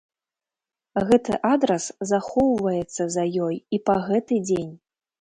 Гэты адрас захоўваецца за ёй і па гэты дзень.